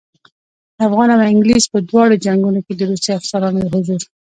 د افغان او انګلیس په دواړو جنګونو کې د روسي افسرانو حضور.